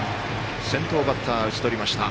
先頭バッター、打ち取りました。